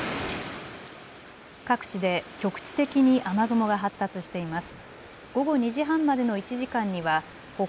各地で局地的に雨雲が発達しています。